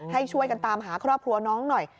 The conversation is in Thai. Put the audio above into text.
ให้ช่วยกันตามหาครอบครัวน้องหน่อย